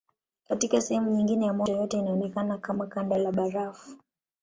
Katika sehemu nyingine ya mwaka mito yote inaonekana kama kanda la barafu.